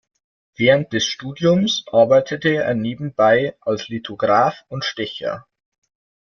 Während des Studiums arbeitete er nebenbei als Lithograph und Stecher.